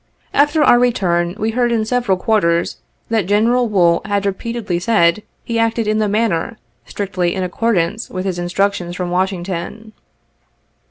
After our return, we heard in several quarters, that General Wool had repeatedly said he acted in the matter, strictly in accordance with his instruc tions from Washington.